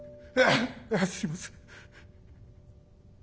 すいません。